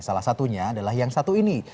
salah satunya adalah yang satu ini